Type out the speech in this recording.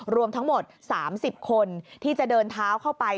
รวมทั้งหมด๓๐คนที่จะเดินเท้าเข้าไป